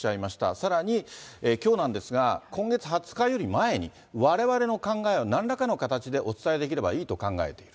さらにきょうなんですが、今月２０日より前に、われわれの考えをなんらかの形でお伝えできればいいと考えている。